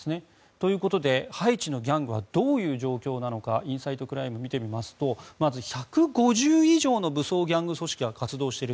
ということでハイチのギャングはどういう状況なのかインサイト・クライムを見てみますと、まず１５０以上の武装ギャング組織が活動している。